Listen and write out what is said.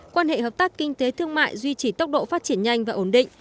quan hệ hợp tác kinh tế thương mại duy trì tốc độ phát triển nhanh và ổn định